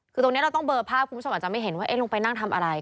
คือตรงนี้เราต้องเบอร์ภาพคุณผู้ชมอาจจะไม่เห็นว่าลงไปนั่งทำอะไร